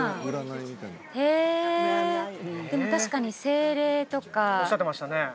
へえでも確かに精霊とかおっしゃってましたね